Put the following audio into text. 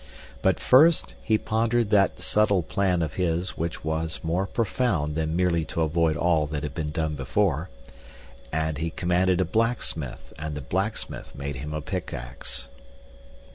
But first he pondered that subtle plan of his which was more profound than merely to avoid all that had been done before; and he commanded a blacksmith, and the blacksmith made him a pickaxe.